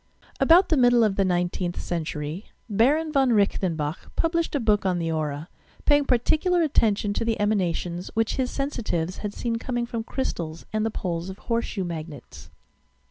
About the middle of the 19th century. Baron von Reichenbach published a book on the aura, paying particular atten tion to the emanations which bis sensitives had seen coming from crystals and the poles of horseshoe magnets.